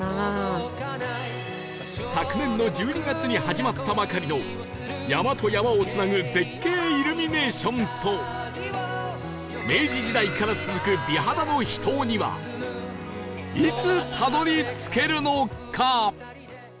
昨年の１２月に始まったばかりの山と山をつなぐ絶景イルミネーションと明治時代から続く美肌の秘湯にはいつたどり着けるのか？